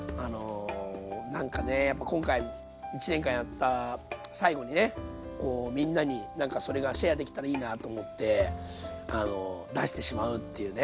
何かねやっぱ今回１年間やった最後にねみんなに何かそれがシェアできたらいいなと思って出してしまうっていうね